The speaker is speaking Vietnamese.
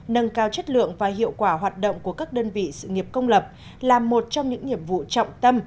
nâng cao chất lượng và hiệu quả hoạt động của các đơn vị sự nghiệp công lập là một trong những nhiệm vụ trọng tâm